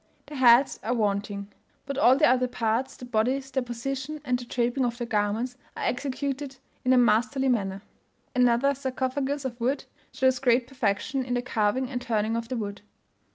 The heads are wanting; but all the other parts, the bodies, their position, and the draping of the garments, are executed in a masterly manner. Another sarcophagus of wood, shows great perfection in the carving and turning of the wood.